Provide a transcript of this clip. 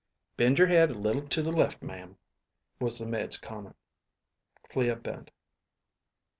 "Bend your head a little to the left, ma'am," was the maid's comment. Clea bent.